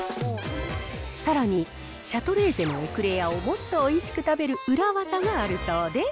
さらに、シャトレーゼのエクレアをもっとおいしく食べる裏技があるそうで。